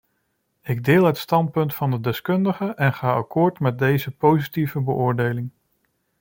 Ik deel het standpunt van de deskundigen en ga akkoord met deze positieve beoordeling.